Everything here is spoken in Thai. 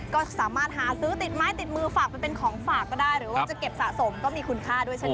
ก็สามารถหาซื้อติดไม้ติดมือฝากไปเป็นของฝากก็ได้หรือว่าจะเก็บสะสมก็มีคุณค่าด้วยใช่ไหม